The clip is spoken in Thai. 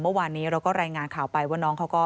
เมื่อวานนี้เราก็รายงานข่าวไปว่าน้องเขาก็